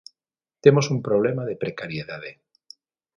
Temos un problema de precariedade.